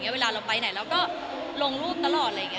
เวลาเราไปไหนเราก็ลงรูปตลอด